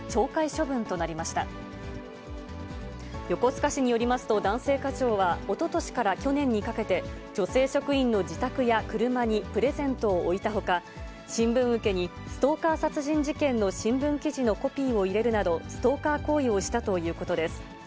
横須賀市によりますと、男性課長は、おととしから去年にかけて、女性職員の自宅や車にプレゼントを置いたほか、新聞受けにストーカー殺人事件の新聞記事のコピーを入れるなど、ストーカー行為をしたということです。